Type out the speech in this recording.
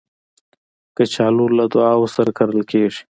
کچالو له دعاوو سره کرل کېږي